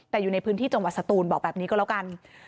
แต่อยู่ในพื้นที่จังหวัดสตูนบอกแบบนี้ก็แล้วกัน